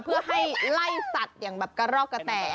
เพื่อให้ไล่สัตว์อย่างแบบกระรอกกระแต่